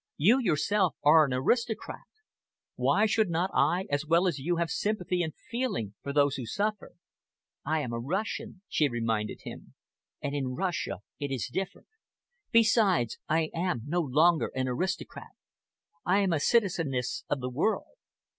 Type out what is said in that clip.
You yourself are an aristocrat. Why should not I as well as you have sympathy and feeling for those who suffer?" "I am a Russian," she reminded him, "and in Russia it is different. Besides, I am no longer an aristocrat. I am a citizeness of the world.